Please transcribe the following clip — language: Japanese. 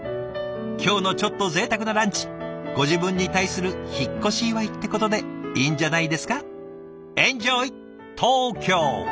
今日のちょっとぜいたくなランチご自分に対する引っ越し祝ってことでいいんじゃないですか。